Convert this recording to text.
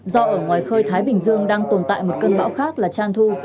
do ở ngoài khơi thái bình dương đang tồn tại một cơn bão khác là trang thu